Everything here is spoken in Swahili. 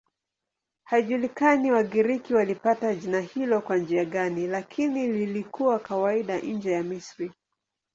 Haijulikani Wagiriki walipata jina hilo kwa njia gani, lakini lilikuwa kawaida nje ya Misri.